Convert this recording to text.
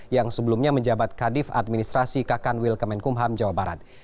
yang sebelumnya menjabat kadif administrasi kakan wilkemenkumham jawa barat